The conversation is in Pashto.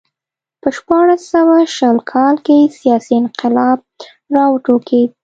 په شپاړس سوه شل کال کې سیاسي انقلاب راوټوکېد.